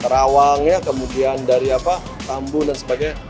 rawang ya kemudian dari tambun dan sebagainya